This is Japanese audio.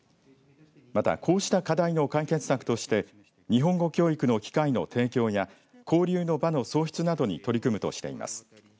またこうした課題の解決策として日本語教育の機会の提供や交流の場の創出などに取り組むとしています。